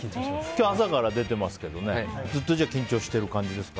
今日、朝から出てますけどずっと緊張してますか？